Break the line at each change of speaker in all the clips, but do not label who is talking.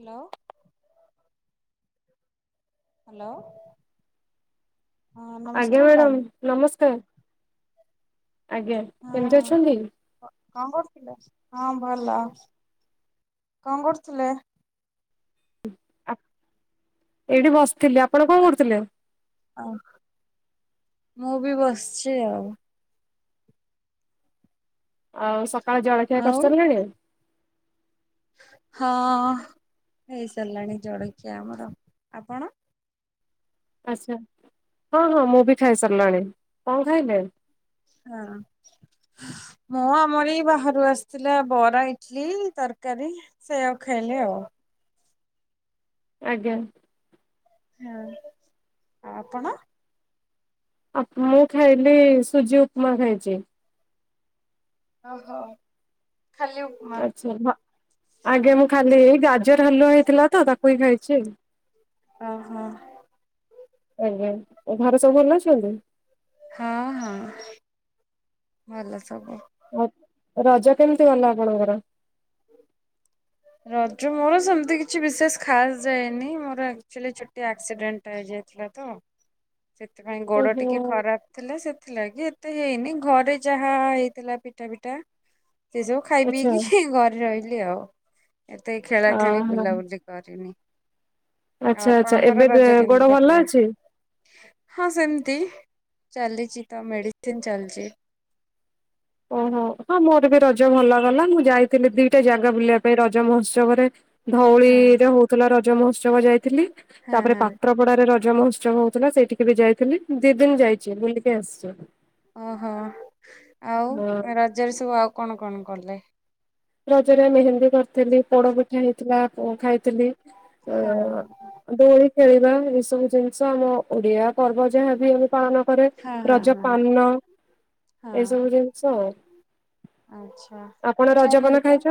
Hello hello.
ଆଜ୍ଞା madam ନମସ୍କାର୍। ଆଜ୍ଞା କେମତି
ହଁ
ଅଛନ୍ତି?
କଣ କରୁଥିଲେ? ହଁ ଭଲ କଣ କରୁଥିଲେ?
ଆ ଏଇଠି ବସ୍ ଥିଲି ଆପଣ କଣ କରୁଥିଲେ?
ମୁଁ ବି ବସଚି ଆଉ।
ଆଉ କାଳେ ଜଳଖିଆ
ଆଉ
କରିସାରଲଣି?
ହଁ ହେଇସାରିଲାଣି ଜଳଖିଆ ଆମର ଆପଣ?
ଆଛା। ହଁ ହଁ ମୁଁ ବି ଖାଇସାରଲଣି। କଣ ଖାଇଲେ?
ହଁ। ମୁଁ ଆମର ଏଇ ବାହାରୁ ଆସିଥିଲା ବରା ଇଟଲି ତରକାରୀ ସେୟାକୁ ଖାଇଲି ଆଉ।
ଆଜ୍ଞା।
ହଁ ଆଉ ଆପଣ
ଆପ୍ ମୁଁ ଖାଇଲି ସୁଜି ଉପମା ଖାଇଛି।
ଓହୋ। ଖାଲି ଉପମା।
ଆଚ୍ଛା ହଁ ଆଜ୍ଞା ମୁଁ ଖାଲି ହି ଗାଜର ହାଲୁଆ ହେଇଥିଲା ତ ତାକୁ ହିଁ ଖାଇଛି।
ଓହୋ।
ଆଜ୍ଞା। ଆଉ ଘରେ ସବୁ ଭଲ ଅଛନ୍ତି?
ହଁ ହଁ ଭଲ। ସବୁ।
ଆଉ ରଜ କେମିତି ଗଲା ଆପଣଙ୍କର?
ରଜ ମୋର ସେମିତି କିଛି ବିଶେଷ ଖାସ ଯାଏନି ମୋର ଆଚୁଲି ଟି ଆକ୍ସିଡେଣ୍ଟ ହେଇଯାଇଥିଲା ତ। ସେଥିପାଇଁ ଗୋଡ
ଓହୋ
ଟିକେ ଖରାପ ଥିଲା ସେ ଥିଲଗି ଏତେ ହେଇନି ଘରେ ଯାହା ହେଇଥିଲା ପିଠା ପିଠା। ସେସବୁ ଖାଇ
ଆଚ୍ଛା
ପିଇକି ଘ ରହିଲି ଆଉ। ଏତେ
ଅ
ଖେଳାଖେଳି ବୁଲାବୁଲି କରିନି। ଆଉ
ଆଚ୍ଛା ଆଚ୍ଛା
ଆପଣଙ୍କର
ଏବେ-ବେ
ରଜ କେମିତି
ଗୋଡ ଭଲ
କଟିଲା?
ଅଛି?
ହଁ ସେମିତି ଚାଲିଛି ତ ମେଡିସିନ ଚାଲଛି।
ଓହୋ। ହଁ ମୋର ବି ରଜ ଭଲ ଗଲା, ମୁଁ ଯାଇ ଥିଲି ଦିଟା ଜାଗା ବୁଲିବା ପାଇଁ ରଜ ମହୋତ୍ସବରେ।
ହଁ
ଧଉଳିରେ ହଉଥିଲା ର ରଜ ମହୋତ୍ସବ ଯାଇଥିଲି।
ହଁ
ତାପରେ
ହଁ
ପାତ୍ର ପଡାରେ ର ରଜ ମହୋତ୍ସବ ହଉଥିଲା ସେଇଠିକି ବି ଯାଇଥିଲି ଦି ଦିନ ଯାଇଛି ବୁଲିକି ଆସଛି।
ଓହୋ। ଆଉ ରଜରେ ସବୁ ଆଉ କଣ କଣ କଲେ?
ରଜରେ ମେହେନ୍ଦୀ କରଥିଲି, ପୋଡ ପିଠା ହେଇଥିଲା ଖାଇଥିଲି। ଅ
ହଁ
ଦୋଳି ଖେଳିବା ଏଇ ସବୁ ଜିନିଷ ଆମ ଓଡିଆ ପର୍ବ ଯାହାବ ଆମେ ପାଳନ କରେ
ହଁ ହଁ
ରଜ
ହଁ
ପାନ ଏଇ
ହଁ
ସବୁ ଜିନିଷ ଆଉ
ଆଚ୍ଛା
ଆପଣ ର
[unintelligible] ହଁ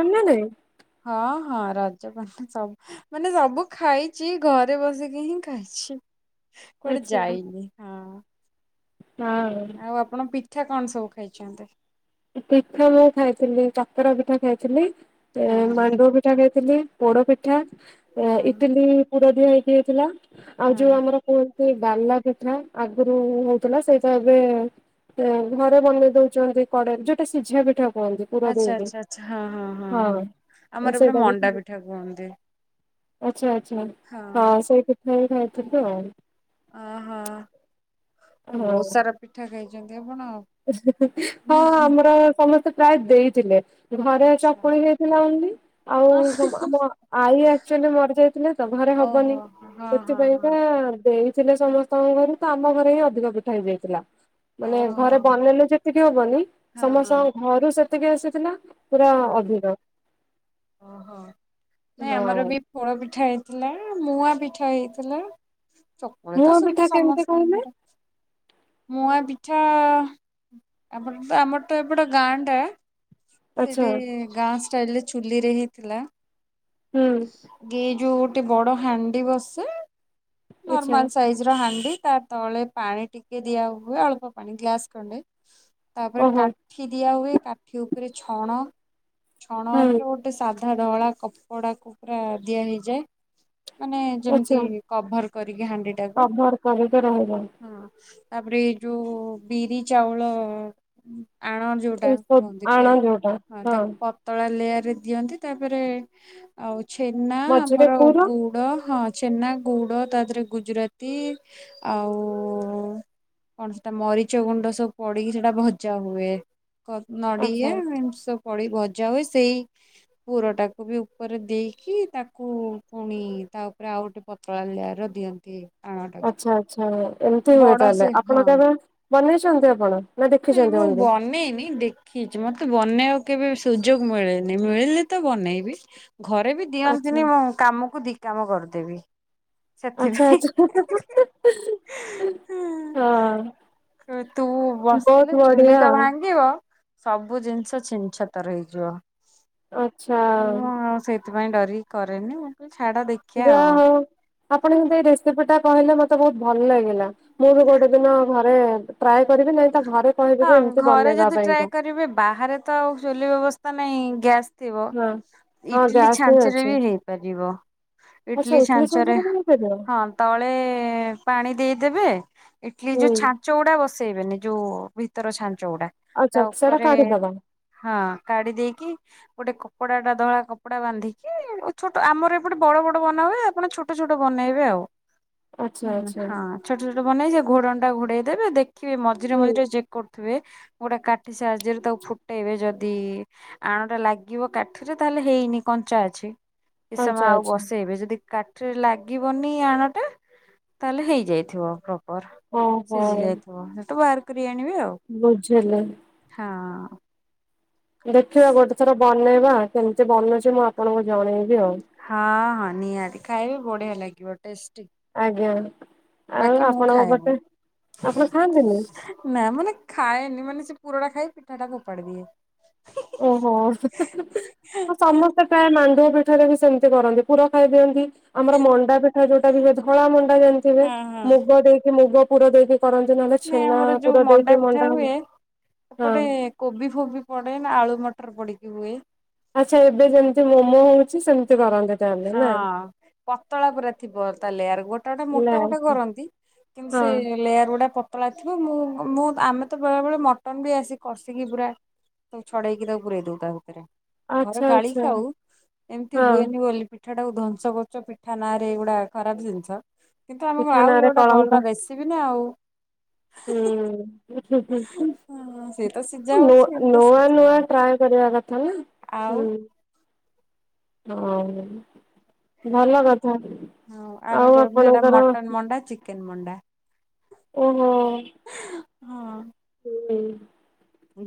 ହଁ ରଜବ ସବୁ ମାନେ ସବୁ ଖାଇଛି ଘରେ ବସିକି ହିଁ ଖାଇଛି। କଆଡ
ଆଚ୍ଛା
ଯାଇନି ହଁ
ହଁ।
ଆଉ ଆପଣ ପିଠା କଣ ସବୁ ଖାଇଛନ୍ତି।
ପିଠା ମୁଁ ଖାଇଥିଲି ପତର ପିଠା ଖାଇଥିଲି। ଏ
ହଁ
ମାଣ୍ଡବ ପିଠା କେ ଥିଲେ ପୋଡପିଠା ଆ
ହଁ
ଇଟଲି ପୁର ଦିହ ହେଇକି ହେଇଥିଲା। ଆଉ ଯୋଉ
ହଁ
ଆମର କ ସେଇ ଡାଲା ପିଠା ଆଗରୁ ହଉଥିଲା ସେଇ ତ ଏବେ ଘରେ ବନେଇ ଦଉଛନ୍ତି। କଡ ଯୋଉଟା ସିଝା ପିଠା କୁହନ୍ତି ପୁର
ଆଚ୍ଛା
ଦେଇକି
ଆଚ୍ଛା ଆଚ୍ଛା ହଁ ହଁ ହଁ ହଁ ଆମର ଏପଟେ
ସେଇଟା ବି
ମଣ୍ଡା ପିଠା କୁହନ୍ତି।
ଆଛା ଆଛା ହଁ ସେଇ ଖ ତ କ
ଓ ହୋ। ହ
ହଁ।
ବହୁତ ସାରା ପିଠା ଖାଇ ଜ
ହଁ ଆମର ସମସ୍ତେ ପ୍ରାୟ ଦେଇଥିଲେ ଘରେ
ଆଚ୍ଛା।
ଚକୁଳି ଯାଇଥିଲା ଆଣିଲି
ହଁ
ଆଉ ଆମ ଆଈ ଆଚୁଆଲି ମରିଯାଇଥିଲେ ତ ଘରେ ହବନି
ଓହୋ ହଁ ହଁ ହଁ
ସେଥିପାଇଁକା ଦେଇ ଥିଲେ ସମସ୍ତଙ୍କ ଘରୁ ତ ଆମ ଘରେ ହିଁ ଅଧିକା ପିଠା ହେଇଯାଇଥିଲା ମାନେ ଘରେ
ଓହୋ
ବନେଇଲେୁ ଯେତିକି ହବନି
ହଁ ହଁ
ସମସ୍ତଙ୍କ ଘରୁ ସେତିକି ଆସିଥିଲା ପୁରା
ହଁ।
ଅଭିିବା
ଓହୋ ନାଇଁ ଆମର ବି ଫୋଳ ପିଠା ହେଇଥିଲା ମୁଁ ପିଠା ହେଇଥିଲା ଚକୁଳେ ତ
ମୁଆଁ ପିଠା
ଶମୁ
କେମିତି କହିଲେ?
ସମସ୍ତଙ୍କର ମୁୂଆ ଛା ଆମର ତ ଆମର ତ ଏପଟେ ଗାଁଟା
ଆଚ୍ଛା
ସେଠି ଗାଁ [unintelligible] ଚୁଲିରେ ହେଇଥିଲା।
ହୁଁ
ଗେଜୁ ଗୋଟେ ବଡ ହାଣ୍ଡି ବସେ।
ଆଚ୍ଛା
ନର୍ମାଲ ସାଇଜ ର ହାଣ୍ଡି ତା ତଳେ ପାଣି ଟିକେ ଦିଆ ହୁଏ ଅଳ୍ପ ପାଣି ଗ୍ଲାସ ଖଣ୍ଡେ ତାପରେ
ଓହୋ
କାଠି ଦିଆ ହୁଏ କାଠି ଉପରେ ଛଣ ଛଣ
ହୁଁ
ଗୋଟେ ସାଧା ଧଳା କପଡା କୁ ପୁରା ଦିଆ ହେଇଯାଏ। ମାନେ ଯେମିତି
ଆଚ୍ଛା
କଭର କରିକି ହାଣ୍ଡି ଟାକୁ
କଭର କରିକି ରହିବ
ହଁ ତାପରେ ଏଇ ଯୋଉ ବିରି ଚାଉଳ ଆଣ ଯୋଉଟା କୁହନ୍ତି
ଆଣ
ପେ
ଯୋଉଟା
ମାନେ
ହଁ
ତାକୁ ପତଳା ଲେଆର ରେ ଦିଅନ୍ତି ତାପରେ ଆଉ ଛେନା
ମଝିରେ
ଆମର
ପୁର
ଗୁଡ ହଁ ଛେନା ଗୁଡ ତା ଦେହରେ ଗୁଜୁରାତି ଆଉ କଣ ସେଟା ମରିଚ ଗୁଣ୍ଡ ସବୁ ପଡିକି ସେଇଟା ଭଜା ହୁଏ। କ
ଆଚ୍ଛା
ନଡିଆ ଅଂଶ ପଡି ଭଜା ହୁଏ ସେଇ ପୁରଟାକୁ ବି ଉପରେ ଦେଇକି ତାକୁ ପୁଣି ତା ଉପରେ ଆଉ ଗୋଟେ ପତଳା ଲେୟର ର ଦିଅନ୍ତି। ଆଣଟାକୁ।
ଆଛା। ଏମିତି ହୁଏ
ବଡ
ତାହେଲେ
ସେ
ଆପଣ
ହଁ
କେବେ ବନେଇଛନ୍ତି ଆପଣ ନା
ନାଇଁ
ଦେଖିଛନ୍ତି
ମୁଁ
ଏମିତି?
ବନେଇନି ଦେଖିଛି ମତେ ବନେଇବାକୁ କେବେ ସୁଯୋଗ ମିଳେନି ମିଳିଲେ ତ ବନେଇବି। ଘରେ ବି
ଆଚ୍ଛା
ଦିଅନ୍ତିନି ମୁଁ କାମକୁ ଦି କାମ କରେ। ଦେବି
ଆଛା ଆଛା। ହଁ
ତୁ ବସିଲେ
ବହୁତ
ଚୁଲି ତ ଭାଙ୍ଗିବ
ବଢିଆ
ସବୁ ଜିନିଷ ଛିନଛତର ହେଇଯିବ।
ଆଛା।
ସେଥିପାଇଁ ଡରିିକି କରେନି ମୁଁ କିଛି
ଯା ହଉ ଆପଣ ସେ ଯୋଉ ରେସିପି ଟା କହିଲେ ମତେ ବହୁତ ଭଲ ଲାଗିଲା ମୁଁ ବି ଗୋଟେ ଦିନ ଘରେ ଟ୍ରାଏ କରିବି ନାଇଁ ତ ଘରେ କହିବି ଯେ
ହଁ
ଏମିତି
ଘରେ
ବନେଇବା
ଯଦି
ପାଇଁକା।
ଟ୍ରାଏ କରିବେ ବାହାରେ ତ ଆଉ ଚୁଲି ବ୍ୟବସ୍ଥା ନାହିଁ ଗ୍ୟାସ୍ ଥିବ
ହଁ ହଁ
ଇଟିଲି
ଗ୍ୟାସ୍ ହିଁ
ଛାଞ୍ଚ ରେ
ଅଛି
ବି ହେଇପାରିବ।
ଆଚ୍ଛା
ଇଟଲିି
ଇଟଲି
ଛାଞ୍ଚରେ,
ସାଇଜରେ ବି ହେଇପାରିବ?
ହଁ ତଳେ ପାଣି ଦେଇଦେବେ ଇଟଲି ଯୋଉ
ହୁଁ
ଛାଞ୍ଚ ଗୁଡା ବ ସେଇ ବା ନିଜ ଯୋଉ ଭିତର ଛାନ୍ତି। ଚଉଡା ତା
ଆଚ୍ଛା ସେଟା
ଉପରେ
କାଢିଦବା
ହଁ କାଢି ଦେଇକି ଗୋଟେ କପ୍ କପଡ଼ାଟା ଧଳା କପଡ଼ା ବାନ୍ଧିକି ଛୋଟ ଆମର ଏପଟେ ବଡ ବଡ ବନା ହୁଏ। ଆପଣ ଛୋଟ ଛୋଟ ବନେଇବେ ଆଉ।
ଆଚ୍ଛା
ହଁ
ଆଚ୍ଛା
ଛୋଟ ଛୋଟ ବନେଇ ହେ ଘୋଡ଼ଣୀ ଘୋଡ଼େଇ ଦେବେ ଦେଖିବେ ମଝିରେ
ହୁଁ
ମିଝିରେ ଚେକ କରୁ ଥିବେ ଗୋଟେ କାଠି ସାହାଯ୍ୟରେ ତାକୁ ଫୁଟେଇବେ, ଯଦି ଆଣଟା ଲାଗିବ କାଠିରେ ତାହେଲେ ହେଇନି କଞ୍ଚା ଅଛି। ଏ ସମୟ
ଆଚ୍ଛା
ଆଉ
ଆଚ୍ଛା।
ବସେଇବେ ଯଦି କାଟ ରେ ଲାଗିବନି ଆଣଟା ତାହେଲେ ହେଇଯାଇଥିବ।
ଓହୋ
ସିଝି ଯାଇଥିବ। ତୁ ବାର କରିକି ଆଣିବେ ଆଉ
ବୁଝିଲି।
ହଁ।
ଦେଖିବା ଗୋଟେ ଥର ବନ୍ଦ ବନେଇବା। କେମିତି ବନୁଛି ମୁଁ ଆପଣଙ୍କୁ ଜଣେଇବି? ଆଉ।
ହଁ ହଁ ନିହାତି ଖାଇବ ବଢିଆ ଲାଗେ। You are tasty.
ଆଜ୍ଞା। ଆଉ
ବାକି ମୁଁ
ଆପଣଙ୍କ ପଟେ
ଖାଏନି
ଆପଣ ଖାଆନ୍ତିନି
ନା ମାନେ ଖାଏନି ମାନେ ପୁରଟା ଖାଇ ପିଠାଟାକୁ ଫୋପାଡ଼ି ଦିଏ।
ଓହୋ ସମସ୍ତେ ପ୍ରାୟ ମାଣ୍ଡୁ ଉପରେ ଏଠାରେ ବି ସେମିତି କରନ୍ତି, ପୁରା ଖାଇ ଦିଅନ୍ତି। ଆମର ମଣ୍ଡା ପିଠା ଯୋଉଟା ବି ଧଳା ମଣ୍ଡା ଜାଣିଥିବେ। ମୁଗ ଦେଇକି ମୁଗ ପୁର ଦେଇକି। କରନ୍ତି ନହେଲେ
ନାଇ‍ଁ
ଛେନା
ଆମର
ପୁର
ଯୋଉ ମଣ୍ଡା
ଦେଇକି
ପିଠା ହୁଏ,
ହଁ
ଏପଟେ କୋବି ଫୋବି ପଡେ। ଆଳୁ, ମଟର ପଡିକି ହୁଏ।
ଆଚ୍ଛା ଏବେ ଯେମତି ମୋମୋ ହଉଛି। ସେମିତି କରନ୍ତି ତାହେଲେ
ହଁ
ନା।
ପତଳା ପୁରା ଥିବ ତା ଲେୟାର ଗୋଟେ ଗୋଟେ
ନା
ମୋଟା ମୋଟା
ହଁ
କରନ୍ତି କିନ୍ତୁ ସେ ଲେୟାର ଗୁଡା ପତ ପତଳା ଥିବ ମୁଁ ମୁଁ ଆମେ ତ ବେଳେ ବେଳେ ମଟନ ବି ଆସ କଷିକି, ପୁରା ସବୁ ଛଡେଇକି ତାକୁ ପୁରଇ ଦଉ ତା ଭିତରେ। ଘରେ
ଆଚ୍ଛା
ଗାଳି
ଆଚ୍ଛା
ଖାଉ ଏମିତି
ହଁ।
ହୁଏନି ବୋଲି। ପିଠା ଟାକୁ ଧ୍ୱଂସ କରୁଛ। ପିଠା ନାଁ ରେ ଏଇଗୁଡା ଖରାପ ଜିନିଷ। କିନ୍ତୁ ଆମକୁ
ପିଠା
ଆଉ ଏ
ନାଁରେ
ଗୋଟେ
କଳଙ୍କ
ଭଲ ରେସିପି ନା ଆଉ। ହଁ ସେ ତ ସିଝା
ନଚଆ
ହଉଛି ଏମି ତ
ନୂଆ
ସିଝା
ନୂଆ
ହଉ
ଟ୍ରାଏ କରିବା କଥା ନା
ଆଉ
ହୁଁ। ହଁ। ଭଲ କଥା
ହଁ ଆମେ
ଆଉ
କହିବୁ ସେଇଟା
ଆପଣଙ୍କର।
ମଟନ ମଣ୍ଡା ଚିକେନ ମଣ୍ଡା।
ଓହୋ।
ହଁ
ହୁଁ।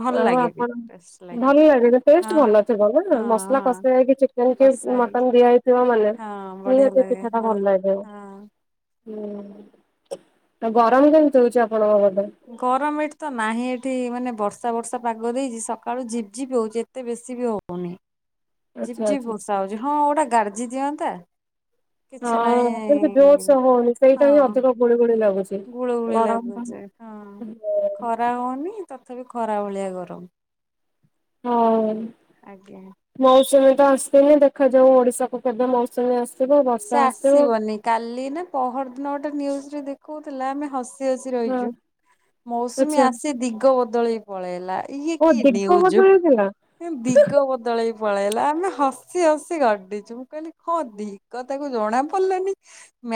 ଭଲ
ଆଉ
ଲାଗେ ବି
ଆପଣ
ଟେଷ୍ଟ
ଭଲ ଲାଗେ ଟେଷ୍ଟ
ହଁ
ଭଲ ଥିବ ନା
ହଁ
ମସଲା
ହଁ
କଷା ହେଇକି ଚିକେନ୍ କି
କଷା ହେଇକି
ମଟନ୍ ଦିଆହେଇଥିବ ମାନେ
ହଁ ବଢିଆ
ନିହାତି
ଲାଗେ
ପିଠା ଟା ଭଲ
ହଁ।
ଲାଗେ।
ହଁ
ହୁଁ ଆଉ ଗରମ କେମିତି ହଉଛି ଆପଣଙ୍କ ଘ
ଗରମ ଏଠି ତ ନାହିଁ ଏଠି ମାନେ ବର୍ଷା ବର୍ଷା ପାଗ ଦେଇଛି ସକାଳୁ ଝିପଝିପି ହଉଛି ଏତେ ବେଶୀ ବି ହଉନି।
ଆଚ୍ଛା
ଝିପଝିପ୍
ଆଚ୍ଛା
ବର୍ଷା ହଉଛି ହଁ ଗୋଟା ଗର୍ଜି ଦିଅନ୍ତା। କିଛି
ହଁ
ନାହିଁ
କିନ୍ତୁ ଜୋରସେ ହଉନି
ହଁ
ସେଇଟା ହିଁ ଅଧିକ ଗୁଳି ଗୁଳି ଲାଗୁଛି।
ଗୁଳୁ ଗୁଳି
ଗରମ
ଲାଗୁଛି ହଁ
ପାଇଁ
ଖରା ହଉନି। ତଥାପି ଖରା ଭଳିଆ ଗରମ।
ହଁ।
ଆଜ୍ଞା।
ମୌସୁମୀ। ଆସନି ଦେଖାଯାଉ ଓଡିଶାକୁ କେବେ ମୌସୁମୀ ଆସୁ
ସେ ଆସିବନି କାଲି ନା ପହର ଦିନ ଗୋଟେ ନ୍ୟୁଜରେ ଦେଖ। କହୁଥିଲା ଆମେ ହସ ସି
ହଁ
ରହିଛୁ ମୌସୁମୀ
ଆଚ୍ଛା
ଆସେ ଦିଗ ବ ବଦଳେଇ ପଳେଇଲା। ଇଏ
ଓ
କି
ଦିଗ
ନ୍ୟୁଜ
ବଦଳିଥିଲା।
ଦିଗ ବଦଳେଇ ପଳେଇଲା। ଆମେ ହସି ହସି ଗଡିଛୁ ମୁଁ କହିଲି କଣ ଦି କ ତାକୁ ଜଣା ପଡିଲାନି।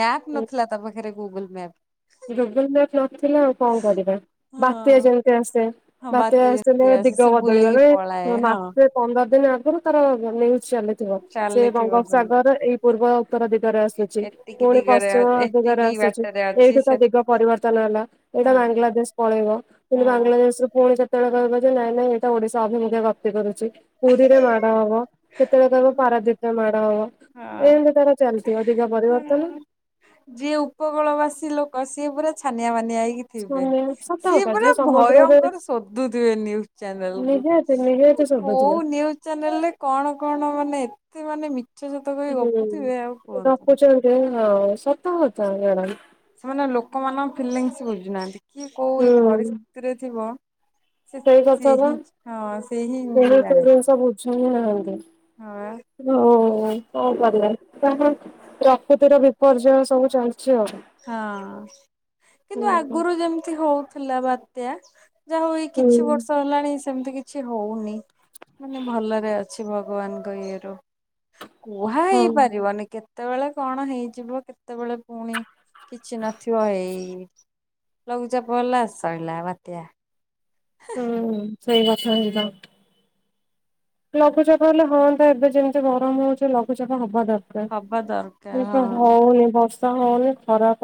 ମ୍ୟାପ ନଥିଲା ତା ପାଖରେ। Google map.
[inaudible] ଥିଲେ ଆଉ କଣ କରିବା ବାତ୍ୟା
ହଁ
ଯେମିତି ଆସେ।
ହଁ ବାତ
ବାତ୍ୟା ଆସିଲେ
ଯେମିତି ଆସେ
ଦିଗ
ସେ
ବଦଳି
ବୁଲିକି
ଗଲେ
ପଳାଏ ହଁ
ମାସେ ପନ୍ଦର ଦିନ ଆଗରୁ। [inaudible] ଚାଲିଥିବ ସେ
ଚାଲିଥିବ ସେମିତି
ବଙ୍ଗୋପସାଗର ଏଇ ପୂର୍ବ ଉତ୍ତର ଦିଗରେ ଆସୁଛି
ଏତିକି
ପୁଣି
ଦିଗରେ
ପଶ୍ଚିମ ଦିଗରେ
ଏତିକି
ଆସୁଛି
ବାଟରେ ଅଛି
ଏଇଠି ଦିଗ
ସେତିକି
ପରିବର୍ତ୍ତନ ହେଲା ଏଇଟା
ହଁ
ବାଂଲାଦେଶ ପଳେଇବ କିନ୍ତୁ
ହଁ
ବାଂଲାଦେଶରୁୁ ପୁଣି କେତେବେଳେ କହିବ ଯେ ନାଇଁ ନାଇଁ ଏଇଟା ଓଡିଶା ଅଭିମୁଖେ ଗପ୍ତି କରୁଛି ପୁରୀରେ ମାଡ଼ ହବ କେତେବେଳେ କହିବ ପାରାଦ୍ଵୀପରେ ମାଡ଼ ହବ।
ହଁ
ଏମିତି ତାର ଚାଲିଥିବ ଦିଗ ପରିବର୍ତ୍ତନ।
ହଁ ଯିଏ ଉପକୂଳ ବାସୀ ଲୋକ ସିଏ ପୁରା ଛାନିଆ ବାନିଆ କି ଥିବେ
ସତ
ସିଏ
କଥା ଯିଏ
ପୁରା
ସମୁଦ୍ରରେ
ଭୟଙ୍କର ଶୋଧୁଥିବେ ନିୁଜ ଚ୍ୟାନେଲ
ନିହାତି
କୁ
ନିହାତି
କୋଉ
ଶୁଭୁଥିବ।
ନିୁଜ ଚ୍ୟାନେଲ ରେ କଣ କଣ ମାନେ ଏତେ ମାନେ ସେ ସେତେ କହି ଗପୁଥିବେ ଆଉ
ହୁଁ।
କୁହନ୍ତନି।
ଗପୁଛନ୍ତି ହଁ ସତ ହଥା ଗରାମ [unintelligible]
ସେମାନେ ଲୋକମାନଙ୍କ ଫିଲିଙ୍ଗସ ବୁଝୁନାହାନ୍ତି। କିଏ କୋଉ ପରିସ୍ଥିତିରେ ଥିବ। ସେ
କେହି
ସେ
କଥା ବା
ହିଁ ହଁ ସେ ହିଁ
କେହି ସେ
ଜାଣେ
ଜିନିଷ ବୁଝୁ ହିଁ ନାହାନ୍ତି
ହଁ
ପ୍ରକୃତିର ବିପର୍ଯ୍ୟୟ ସବୁ ଚାଲିଛି। ଆଉ।
ହଁ କିନ୍ତୁ
ହୁଁ
ଆଗରୁ ଯେମିତି ହଉଥିଲା ବା ତ [unintelligible] ଯାହା ହଉ ଏ
ହୁଁ
କିଛି ବର୍ଷ ହେଲାଣି ସେମିତି କିଛି ହଉନି। ମାନେ ଭଲରେ ଅ ଅଛି ଭଗବାନଙ୍କ ଇଏରୁ କୁହା
ହଁ।
ହେଇପାରିବନି କେତେ? କେତେବେଳେ କଣ ହେଇଯିବ କେତେବେଳେ ପୁଣି କିଛି ନଥିବ ଏଇ ଲଘୁଚାପ ହେଲା ସରିଲା ବାତ୍ୟା।
ହୁଁ। ସେଇ କଥା ହିଁ ତ। ଲଘୁଚାପ ହେଲେ ହୁଅନ୍ତା ଏବେ ଯେମିତି ଗରମ ହଉଛି ଲଘୁଚାପ ହବା ଦର
ହବା ଦରକାର
ସେ ତ
ହଁ
ହଉନି ବର୍ଷା। ହ ଖରାପ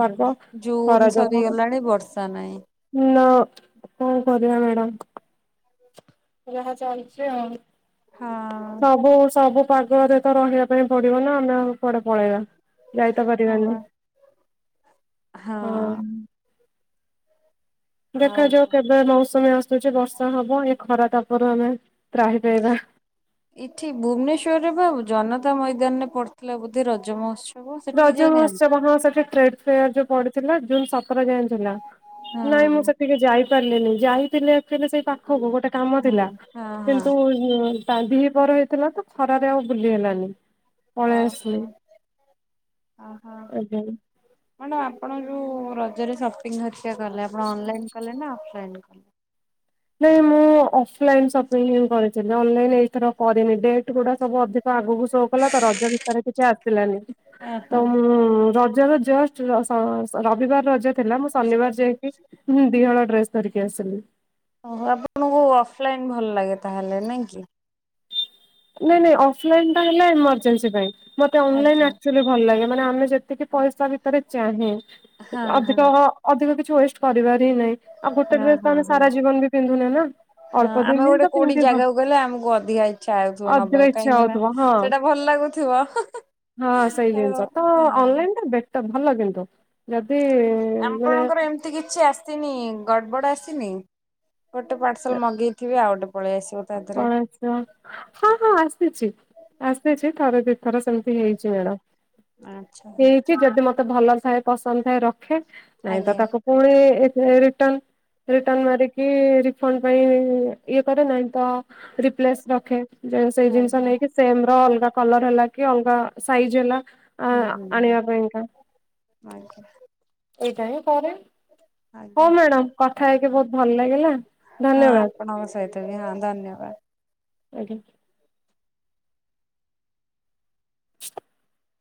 ଜୁନ ସରିଗଲାଣି ବର୍ଷା ନହିଁ।
ନା କଣ କରିବା ମ୍ୟାଡ଼ାମ। ଯାହା ଚାଲିଛି ଆଉ।
ହଁ
ସବୁ ସବୁ ପର୍ବରେ ତ ରହିବା ପାଇଁ ପଡିବ ନା ଆମେ ଆଉ କୁଆଡ଼େ ପଳେଇବା ଯାଇତ
ହଁ
ପାରିବାନି।
ବା
ହଁ।
ଆଉ
ଦେଖାଯାଉ
କଣ?
କେବେ ମୌସୁମୀ ଆସୁଛ ବର୍ଷା ହବ ଏ ଖରା ତାପରୁ ଆମେ ତ୍ରାହି ପାଇବା
ଏଠି ଭୁବନେଶ୍ଵରରେ ବା ଜନତା ତା ମଇଦାନରେ ପଢଥିଲା ବୋଧେ ରଜ ମହୋତ୍ସୀ
ରଜ ମହୋତ୍ସବ ହିଁ ସେଠ ଟେଡ ଫେୟାର ଯୋଉ ପଡିଥିଲା ଜୁନ ଯାଇଁ ଥିଲା ନାଇଁ ମୁଁ
ହଁ
ସେଠିକି ଯାଇ ପାରିଲେନି ଯାଇଥିଲେ ଏଲ ସେଇ ପା କୁ ଗୋଟେ କାମ
ହଁ
ଥିଲା
ହଁ ହଁ
କିନ୍ତୁ ତାଧି ବ ହେଇଥିଲା ତ ଖରାରେ ଆଉ ବୁଲି ହେଲାନି।
ଓ
ପଳେଇ
ହୋ।
ଆସିଲି ଆଜ୍ଞା।
ମ୍ୟାଡ଼ାମ ଆପଣ ଯଉ ରଜରେ ସପିଙ୍ଗ ଘରିକ କଲେ ଆପଣ ଅନଲାଇନ୍ କଲେ ନା ଅଫଲାଇନ୍ କଲେ।
ନାଇଁ ମୁଁ ଅଫ ଲାଇନ ଶପିଂ କରି ଯେ ଅନଲାଇନ ଏଇଥର କରିନି ଏବେ ଗୁଡା ସବୁ ଅଧିକ ଆଗକୁ ସଉ କଲା ତ ରଜ ଭିତରେ କିଛି ଆସିଲାନି
ଓହୋ।
ତ ରଜର ଜଷ୍ଟ ସ ରବିବାର ରଜ ଥିଲା ମୁଁ ଶନିବାର ଯାଇକି ଦିହଳ ଡ୍ରେସ ଧରିକି [unintelligible]
ଓ ଆପଣଙ୍କୁ ଅଫଲାଇନ ଭଲ ଲାଗେ ତାହେଲେ ନାଇଁ କି?
ନାଇଁ ନାଇଁ ଅଫଲାଇନ ହେଲା ଏମର୍ଜେନ୍ସି ପାଇଁ ମତେ ଅନଲାଇନ୍
ଆଜ୍ଞା।
ଆକଚୁଆଲି ଭଲ ଲାଗେ। ମାନ ଆମେ ଯେତିକି। ପଇସା ଭିତରେ ଚାହେଁ
ହଁ ହଁ
ଅଧିକ ଅଧିକ ଚୂଜ୍ କରିବା। ନାଇଁ ଆଉ ଗୋଟେ
ହଁ
ଡ୍ରେସ ତ
ହଁ
ଆମେ
ହଁ
ସାରା ଜୀବନ ବି ପିନ୍ଧୁନ ନା
ହଁ
ଅଳ୍ପ ଦିନ
ଆମେ
ହିଁ
ଗୋଟେ
ତ ପିନ୍ଧିବା। ଅଧିକ
ନବାଉ
ଇଚ୍ଛା
କାହିଁକି ନା
ହଉଥିବ ହଁ
ସେଟା ଭଲ ଲାଗୁଥିବ
ହଁ ସେଇ
ହେଁହେ
ଜିନିଷ
ଆଉ
ତ
ହଁ।
ଅନଲାଇନ ଟା ବେଟର ଭଲ କିନ୍ତୁ ଯ
ଆଁପଣଙ୍କର ଏମିତି କିଛି ଆସିନି ଗ ବଡ ଆସିନି ଗୋଟେ ପାର୍ସଲ ମଗେଇଥିବେ ଆଉ ଗୋଟେ ପଳେଇ ଆସିବ ତା ଦେହରେ।
ପସ ହଁ ହଁ ଆସିଛି ଆସିଛି ଥରେଦ ତର ସେ ହେଇଛି ମ୍ୟାଡ଼ା
ଆଚ୍ଛା।
ହେଇଛି ଯଦି ମତ ତ ଭଲ ଥାଏ ପସନ୍ଦ ଥାଏ ର ଦେଖେ ନାଇଁ ତ
ଆଜ୍ଞା।
ତାକୁ ପୁଣି ରିଟନ ରିଟନ୍ ମାରିକି ରିଫଣ୍ଡ ପାଇଁ ଇଏ କର ନା ହଁ ରିପ୍ଲିସ ରଖେ ଯୋଉ ସେ ଜିନିଷ
ଆଜ୍ଞା।
ନେଇକି ଆମର ଅଲଗା। କଲର ହେଲା କି ଅଲଗା ସାଇଜ୍ ହେଲା। ଆ
ହୁଁ ହୁଁ।
ଆଣିବା ଏଇଟାାଇଁ କରେ।
ଆଜ୍ଞା।
ହଉ ମ୍ୟାଡାମ କଥା ହେଇକି ବହୁତ ଭଲ ଲାଗିଲା
ହଁ ଆପଣଙ୍କ ସହିତ ବି ହଁ
ଧନ୍ୟବାଦ। ଆଜ୍ଞା। [inaudible]